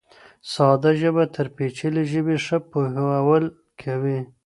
ساده ژبه تر پېچلې ژبې ښه پوهول کوي.